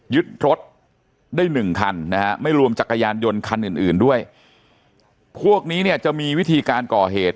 ยึดรถได้หนึ่งคันนะฮะไม่รวมจักรยานยนต์คันอื่นอื่นด้วยพวกนี้เนี่ยจะมีวิธีการก่อเหตุ